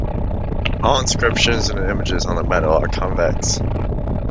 All inscriptions and images on the medal are convex.